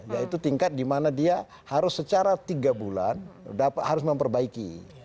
yaitu tingkat di mana dia harus secara tiga bulan harus memperbaiki